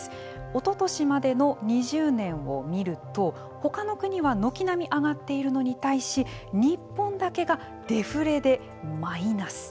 おととしまでの２０年を見るとほかの国は軒並み上がっているのに対し日本だけがデフレでマイナス。